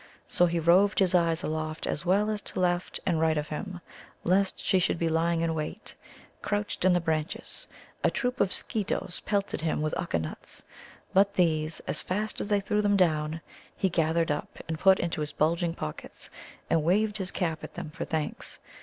So he roved his eyes aloft as well as to left and right of him, lest she should be lying in wait, crouched in the branches. A troop of Skeetoes pelted him with Ukka nuts. But these, as fast as they threw them down, he gathered up and put into his bulging pockets, and waved his cap at them for thanks.